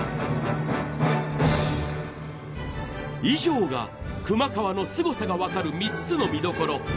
以上が熊川のすごさがわかる３つの見どころ。